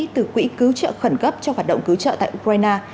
từ quỹ cứu trợ khẩn cấp cho hoạt động cứu trợ tại ukraine